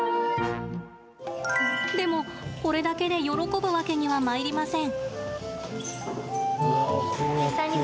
でも、これだけで喜ぶわけにはまいりません。